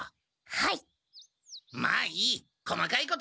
はい！